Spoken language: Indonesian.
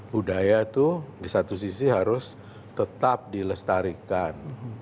budaya itu di satu sisi harus tetap dilestarikan